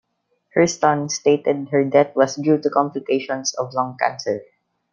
Her son stated her death was due to complications of lung cancer.